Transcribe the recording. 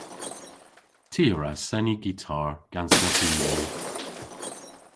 Ty a wra seni gitar gans dha dhiwleuv.